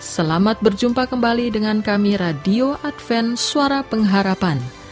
selamat berjumpa kembali dengan kami radio adven suara pengharapan